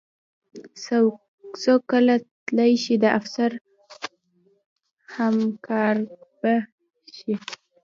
څوک کله تلی شي د افسر همرکابه شي.